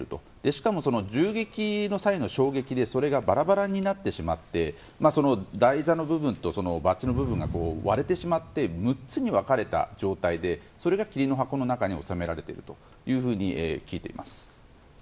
しかも、銃撃の際の衝撃でそれがバラバラになってしまって台座の部分とバッジの部分が割れてしまって６つに分かれた状態でそれが桐の箱の中に納められていると聞いています。